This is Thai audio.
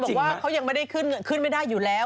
บอกว่าเขายังไม่ได้ขึ้นขึ้นไม่ได้อยู่แล้ว